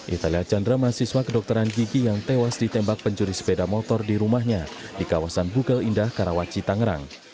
italia chandra mahasiswa kedokteran gigi yang tewas ditembak pencuri sepeda motor di rumahnya di kawasan bukel indah karawaci tangerang